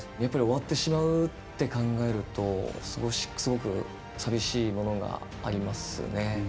やっぱり終わってしまうって考えるとすごく寂しいものがありますね。